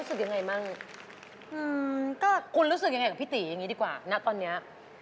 หือคุณรู้สึกยังไงกับพี่ตรียังไงดีกว่าณตอนนี้